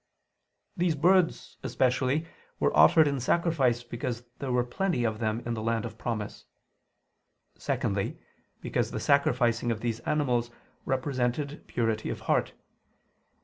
These birds especially were offered in sacrifice because there were plenty of them in the land of promise. Secondly, because the sacrificing of these animals represented purity of heart.